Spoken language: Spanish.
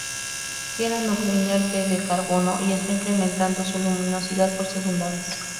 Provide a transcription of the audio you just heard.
Tiene un núcleo inerte de carbono y está incrementando su luminosidad por segunda vez.